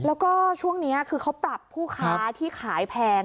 แล้วก็ช่วงนี้คือเขาปรับผู้ค้าที่ขายแพง